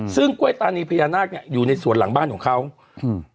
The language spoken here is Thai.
ซึ่งกล้วยตานีพญานาคเนี้ยอยู่ในสวนหลังบ้านของเขาอืม